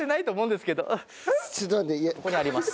ここにあります。